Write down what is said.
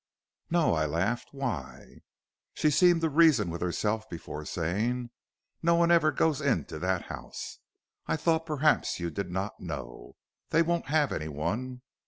"'No,' I laughed; 'why?' "She seemed to reason with herself before saying: 'No one ever goes into that house; I thought perhaps you did not know. They won't have any one.